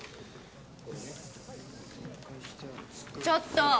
ちょっと！